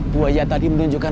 buaya tadi menunjukkan